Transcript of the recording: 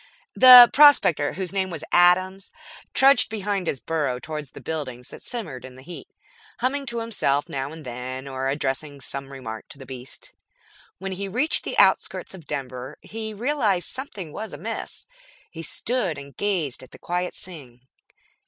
The prospector, whose name was Adams, trudged behind his burro toward the buildings that shimmered in the heat, humming to himself now and then or addressing some remark to the beast. When he reached the outskirts of Denver he realized something was amiss. He stood and gazed at the quiet scene.